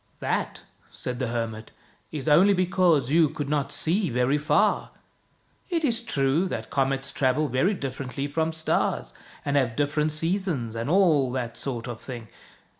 " That," said the hermit, " is only because you could not see very far. It is true that comets travel very differently from stars, and have different seasons, and all that sort of thing.